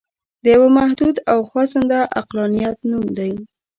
د یوه محدود او خوځنده عقلانیت نوم دی.